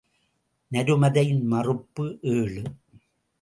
நருமதையின் மறுப்பு ஏழு.